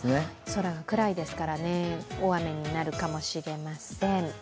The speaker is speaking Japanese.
空も暗いですからね、大雨になるかもしれません。